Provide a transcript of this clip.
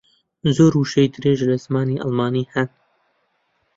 زۆر وشەی درێژ لە زمانی ئەڵمانی ھەن.